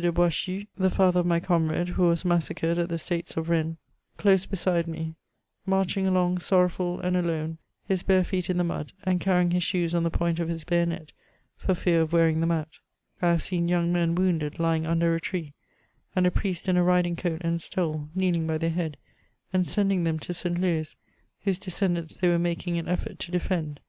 de Boishue, the father of my conurade who was maa sacred at ihe States of Rennes close beside me, marching along sorrowful and alone, hk bare feet in the mud, and carrying his shoes on tiie point of his bayonet, for fear of wearing them otit ; Lhave seen young men wounded, lying under a tree, and a priest in a riding coat and stole, kneeling by their head, ^yad sending them to St. Look, whose descendants they were making an effort to defend.